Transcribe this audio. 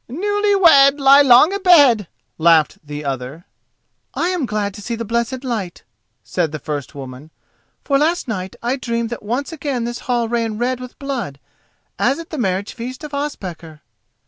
"Newly wed lie long abed!" laughed the other. "I am glad to see the blessed light," said the first woman, "for last night I dreamed that once again this hall ran red with blood, as at the marriage feast of Ospakar."